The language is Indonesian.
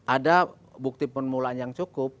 ada bukti permulaan yang cukup